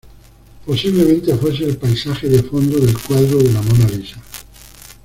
Posiblemente fuese el paisaje de fondo del cuadro de la Mona Lisa.